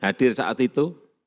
hadir saat itu